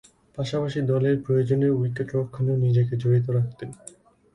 পাশাপাশি দলের প্রয়োজনে উইকেট-রক্ষণেও নিজেকে জড়িত রাখতেন।